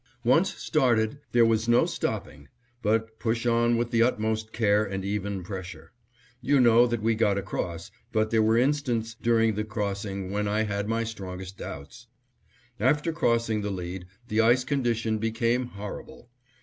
Once started, there was no stopping; but push on with the utmost care and even pressure. You know that we got across, but there were instants during the crossing when I had my strongest doubts. After crossing the lead, the ice condition became horrible.